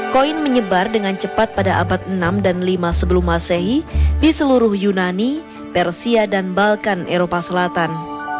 koin menyebar dengan cepat pada abad enam dan lima sebelum masehi di seluruh yunani persia dan balkan eropa selatan